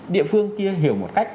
địa phương kia hiểu một cách